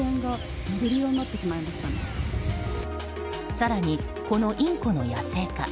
更に、このインコの野生化